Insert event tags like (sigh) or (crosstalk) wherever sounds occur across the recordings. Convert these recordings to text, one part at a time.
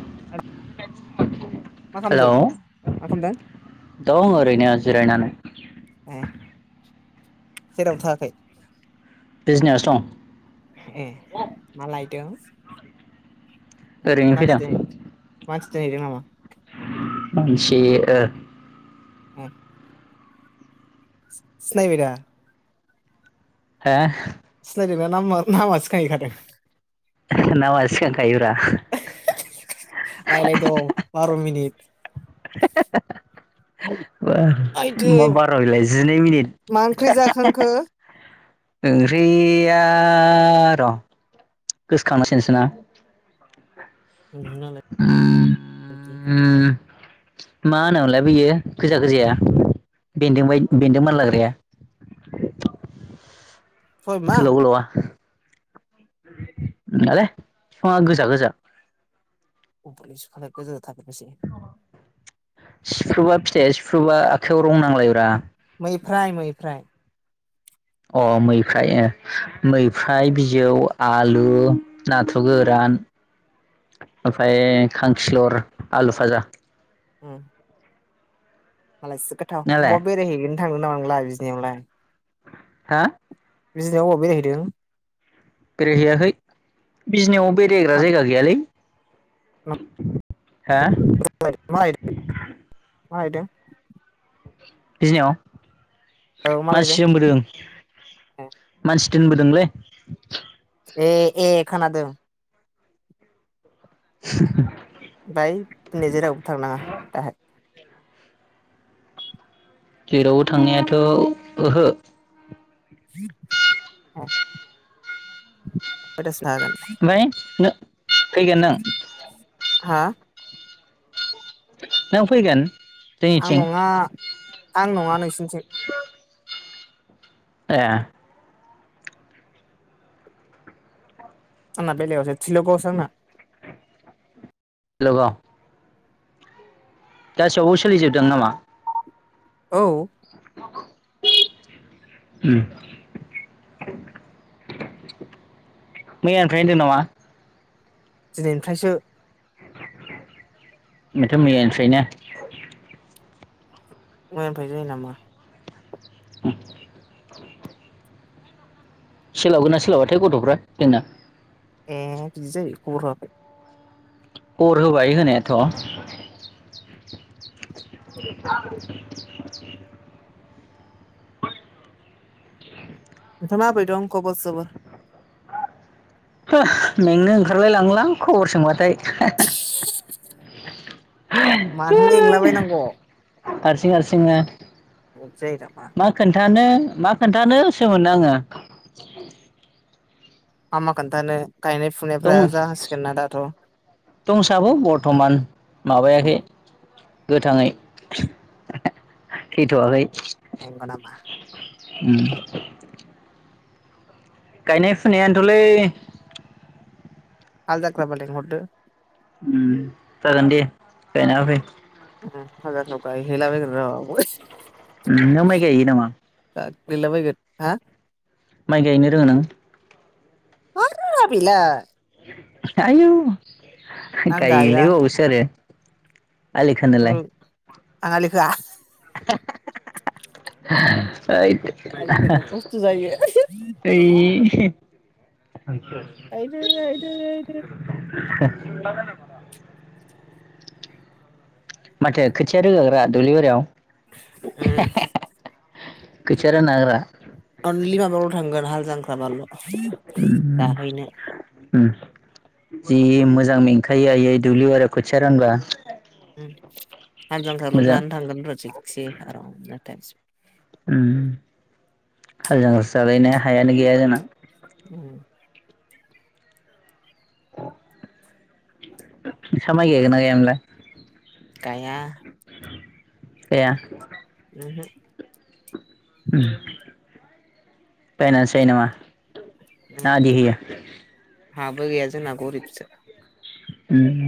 (unintelligible) मा (unintelligible) हेलौ खालामदों मा खालामदों दं ओरैनो जिरायनानै ए जेरावबो थाङाखै बिजनियावसो दं ए मा लायदों (inaudible) ओरैनो फैदां मानसि मानसि दोनहैदों नामा? मानसि ओ औ सि-सिनायबाय दा हा सिनायदोबा नामार नामा सिखांहैखादों नामा सिखांखायो ब्रा रायलाय दं बार' मिनिट (unintelligible) (unintelligible) आइदै मा बार' बेलाय जिनै मा ओंख्रि मिनिट जाखांखो ओंख्रिया र' गोसोखांनांसिगोनसो ना नोंनालाय उम (unintelligible) मा होनोमलाय बियो गोजा गोजाया बेन्दों बा बेन्दों मानलाग्राया सय मा गोलाव गोलावआ नोंङा ले बिफाना गोजा गोजा (unintelligible) खादोब इसे सिफ्रुबा सिफ्रुबा आखाइायाव रं नांलायब्रा मैफ्राय मैफ्राय अ मैफ्राय मैफ्राय बिजौ आलु नाथुर गोरान ओमफ्राय खांखिलर आलु भाजा उम मालायसो गोथाव नोंहालाय बहा बेरायहैगोन थांगोन नामा नोंलाय बिजनियावलाय हा बिजिनियाव अबाव बेरायहैदों? बेरायहैयाखै बिजनियाव बेरायग्रा जायगा गैयालै (inaudible) हा मा लायदों मा लायदों बिजनियाव औ मा लायदों मानसि दोनबोदों मानसि दोनबोदोंलै ए ए खोनादों। (inaudible) फाय दिनि जेरावबो थांनाङा दाहाय? जेरावबो थांनायाथ' ओहो। (unintelligible) ओमफाय नो फैगोन नों? हा? नों फैगोन? आं जोंनिथिं नङा। आं नङा नोंसिथिं। ए आंना बेेलेगावसो थिलगावसो आंना। लगाव गासैयावबो सोलिजोबदों नामा? औ मैयानिफ्राय होनदों नामा? दिनैनिफ्रायसो। माथो मैयानिफ्रायनो? मैयानिफाय जायो नामा? (inaudible) सोलाबगोन ना सोलाबाथाय गथ'फ्रा जोंना! ए बिदि जायो खबर होआखै? खबर होबाय होनायाथ'। नोथां मााब्रै दं खबर सबर? मेंनो ओंखारलाय लाङो लां खबर सोंबाथाय। मानो मेंलाबायनांग'? हारसिं हारसिंना जायो नामा मा खोन्थानो! मा खोन्थानोसो मोनो आङो। आ मा खोनथानो दं दंसाबो बर्थमान माबायाखै। गोथाङै थैथ'वाखै। नंगौ नामा? उम गायनाय फुनायानोथ'लै! हाल जांख्राबा लेंहरदो। उम जागोन दे गायना होफै। उम हाल जांख्रायाव गायहैला बायगोनरा (inaudible) नोंना माइ गायो नामा? गाग्लिलाबायगोन हा? माइ गायनो रोङो नों? मानो रोङा बेलाय। आयौ। आं गाया गायलाय बावोसो आरो। आलि खोनोलाय? आं आलि खोआ। (inaudible) ऐद आलिखोनो खस्थ' जायो ऐ गायदो गायदो गायदो (inaudible) (inaudible) माथो खोथिया रोगाग्रा दुब्लि बारियाव। उम। खोथिया रानना होग्रा। अनलि माबायावल' थांगोन हालजां - माबाल' जाहैनो। उम जि मोजां मेंखायो आयै दुब्लियाव आरो खोथिया रानबा। हालजांख्राल' मोजां जानो थांगोनब्रा थिकसे आरामनो। (inaudible) उम हाल जांख्रासो जालायनो हायानो गैया जोंना। उम। (inaudible) नोंसा माइ गायगोनना गाया मोनलाय? गाया। गाया। उम हो। उम बायनासो जायो नामा? ना आदि होयो? हा बो गैया जोंना गरिब सो। उम।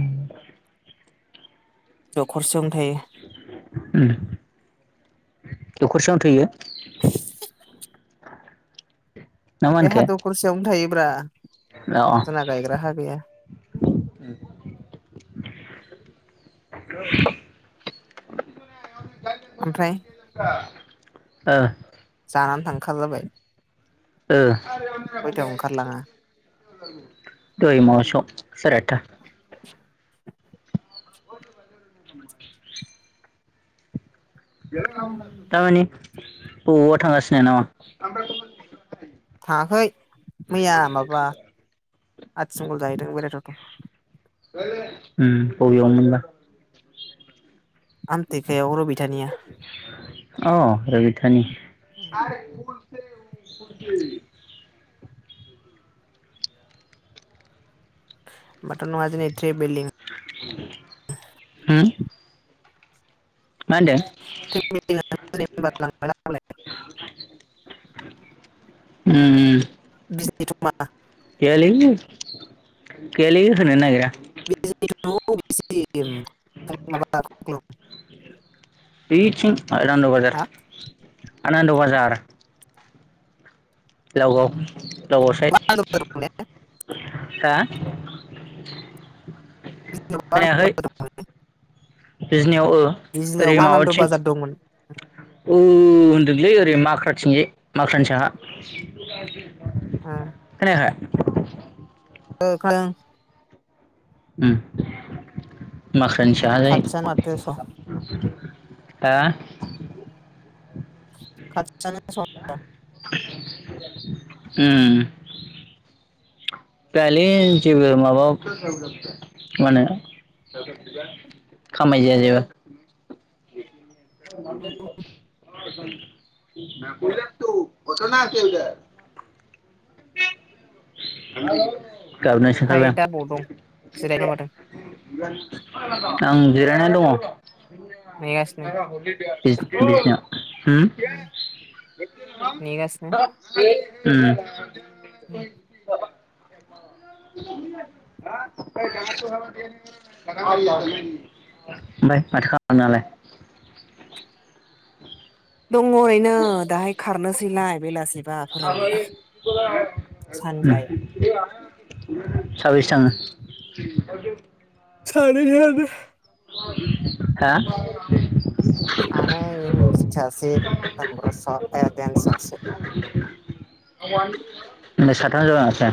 दखरसेयावनो थायो। उम दखरसेयावनो थोयो? (inaudible) ना मा बे हा होनखो दरखरसेयावनो थायो। ब्रा अ जोंना गायग्रा हा गैया। (inaudible) ओमफ्राय (unintelligible) ओ। आनानै थांखा जाबाय ओ खयथायाव ओंखारलाङा दय माबा सोआव साराय आतता दा मानि बबावबा थांगासिनो नामा? थाङाखै मैया माबा आथि मंगल जाहदों बेराय थावथाव उम बबेयावमोन‌ बा? आमतेकायाव रबिथानिया अ रबितानि (unintelligible) (unintelligible) बाथ' नोंआ दिनै ट्रेभेलिं हम मा होनदो? (unintelligible) उम (unintelligible) गैयालै गैयालै होनो नो नागिरा (unintelligible) (unintelligible) (unintelligible) बेथिं आनन्द बाजार हा आनन्द बाजार लाव गाव लावगाव साइद हा खोनायाखै (unintelligible) बिजनियाव ओ ओरै बिजनियावबो आनान्द माबाथिं बाजार दंमोन औ होनदोंलै ओरै माख्राथिंजाय माख्रानि साहा खोनायाखै? औ खोनादों। उम माख्रानि खाथियानो माथोस' हो खाथियानो दस' उम जायालै जेबो माबा मा होनो खामाय जाया जेबो (inaudible) (unintelligible) (inaudible) गाबनोसो ओमफ्राय ओंखारबाय दा बबाव दं जिरायना मादों आं आं जिरायना दङ। नेगासिनो (inaudible) उम नेगासिनो उम। (inaudible) उम (inaudible) ओमफ्राय माथो खालामदो दालाय दङ ओरैनो दाहाय खारनोसैलाय बेलासि (inaudible) सानबाय साबेसे थाङो? (inaudible) सानै खारहांदो हा सानै (inaudible) ओमबालाय साथाम जाबाय माथो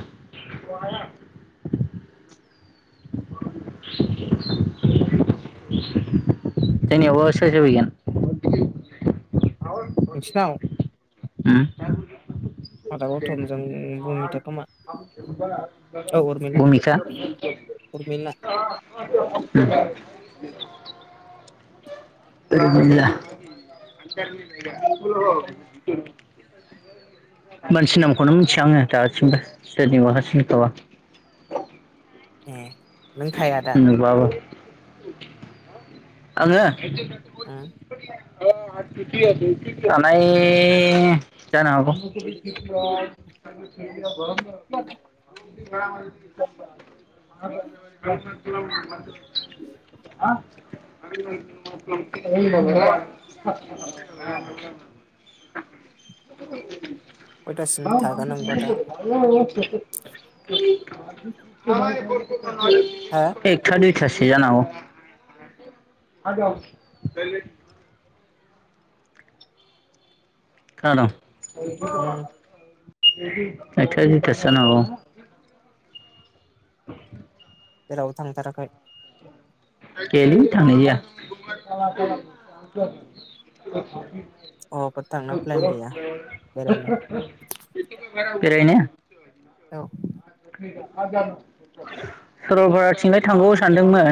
(inaudible) जोंनियावबा सोर सोर फैगोन नोंसिनाव आदा गौथमजों भुमिता खोमा औ उम उरमिला भुमिखा उरमिला (inaudible) मानसि नामखौनो मिथिया आङो दासिमबो सोरनिखौबा सोरनिखौबा उम। नुबाबो आङो? उम (inaudible) (inaudible) थानाय जानो हागौ (inaudible) थ। (inaudible) म खयथासिम थागोन (inaudible) नोंबा दा मानि। एखाद हो (inaudible) सासे जानांगौ। आ जाव। खोनादों। उम खथ (inaudible) एगथा दुयथासो जानो हागौ। जेरावबो थांथाराखै। गैयालै थांनाय अबावबो थांनो प्लेन गैया जायाखै। बेरायनो (unintelligible) बेरायनो? औ सर'लपारा थिंलाय थांगौ सानदोंमोन।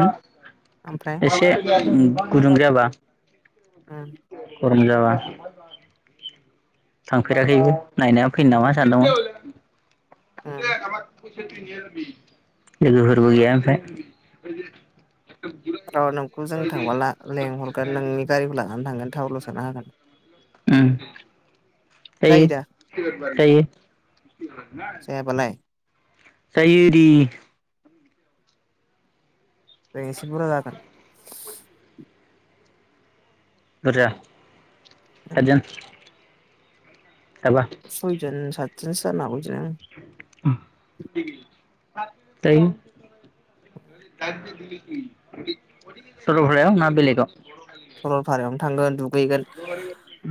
ओमफ्राय एसे उम गुदुं जाबा उम। फरायनाय जाबा थांफेराखैबो नायना फैनो उम नामा सानदोंमोन। उम (unintelligible) लोगोफोरबो गैया ओमफ्राय। र' नोंखौ जों थांब्ला ला लेंहरगोन नोंनि गारिखौ लानानै थांगोन थावल' स सोना होगोन। उम दायो जायो दा दायो। जायाबालाय जायो दे। जों एसे बुरजा जागोन। बुरजा? उम सादजोन। सयजन साद थ्रोस जानो हागौलै। जों दायो दा (unintelligible) सरलपारायाव ना बेलेगाव? सरलपारायावनो थांगोन दुग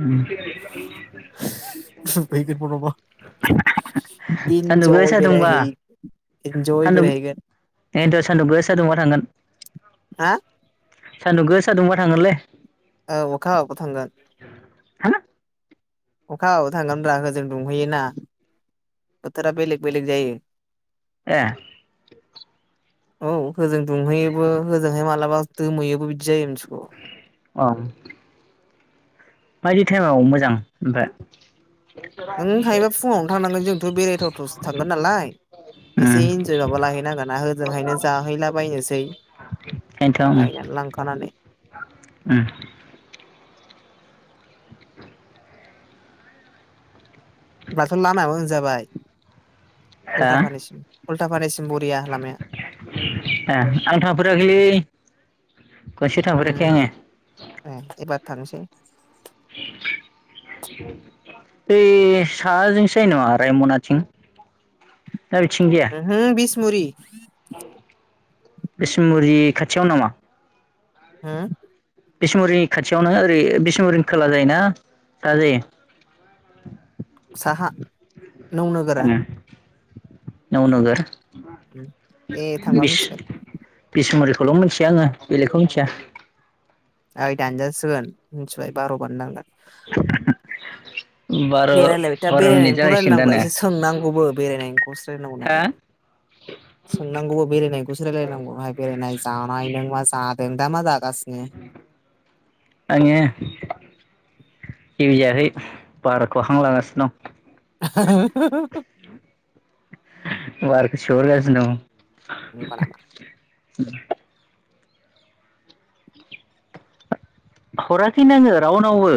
उम सान्दुं इन्जय गोसा दुंबा बेरायहै इन्जय बेरायहैगोन। दायनथ' सान्दुं गोसा दुंबा थांगोन। हा सानदुं गोसा दुंबा थांगोनलै। औ अखा हाबाबो थांगोन। हा अखा हाबाबो थांगोनब्रा होजों दुंहैयोना बोथोरा बेलेग बेलेग जायो। ए औ होजों दुंहैयोबो होजोंहाय मालाबा दोमैयोबो बिदि जायो मोन (unintelligible) औ। बायदि टाइमाव मोजां ओमफ्राय। नों हायोबा फुङावनो थांनांगोन जोंथ' बेरायथावथावसो थांगोन नालाय एसे ओम इन्जयबो लाहैनांगोना होजोंहायनो जाहैलाबायनोसै बेनोथ' ओम बायनानै लांखानानै। ओम दाथ' लामया मो जाबाय। हा बरिया लामाया आं थांफेराखैलै खनसे थांफेराखै आङो। थांनोसै। बै साहाजोंसो जायो नामा रायमनाथिं? ना बिथिं जाया? मुरि बिसमुरि खाथियाव नामा? होम? बिसमुरिनि खाथियावनो ओरै बिसमुरिनि खोला जायो ना साहा जायो? साहा। नौ नोगोरा। नौ नोगोर। उम दे थांबा बिस मिथिगोन बिसमुरि। बेखौल' मिथिया आङो बेलेगखौ मिथिया। ओइ दानजासिगोन मिथिबाय बार'बानो दानगोन। (inaudible) दे रायलायबाय था बार' मिनिट बेरायनायनिखौ जागायसिगोन रायलायनांगौ दा ब्रा नो एसे सोंनांगौबो बेरायनायनिखौसो रायायनांगौ हा नालाय सोंनांगौबो बेरायनायखौसो रायलायनांगौ बाय बेरायनाय जानाय नों मा जा नों दा मा जा आङो जेबो जायाखै बारखौ हां लागासिनो दं। (inaudible) बारखौ सोहरगासिनो दं। नंगो नामा? (inaudible) हराखैनो आङो रावनावबो।